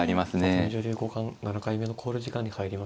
里見女流五冠７回目の考慮時間に入りました。